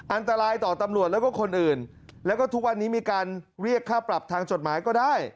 อันตรายต่อตำรวจแล้วก็คนอื่นแล้วก็ทุกวันนี้มีการเรียกค่าปรับทางจดหมายก็ได้